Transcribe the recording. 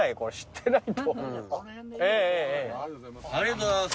ありがとうございます。